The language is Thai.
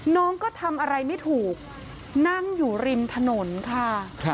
น้องก็ทำอะไรไม่ถูกนั่งอยู่ริมถนนค่ะ